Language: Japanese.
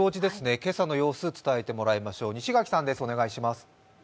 今朝の様子伝えてもらいましょう。